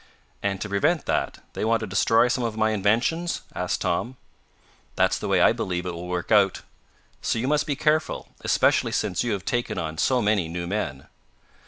"And, to prevent that, they want to destroy some of my inventions?" asked Tom. "That's the way I believe it will work out. So you must be careful, especially since you have taken on so many new men."